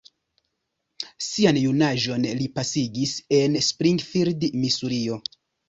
Sian junaĝon li pasigis en Springfield, Misurio.